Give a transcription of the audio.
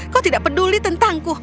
kau kurigih tentang onu